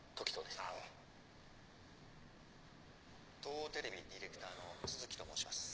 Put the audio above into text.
東央テレビディレクターの都築と申します。